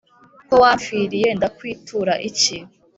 ko wampfiriye, ndakwitura iki?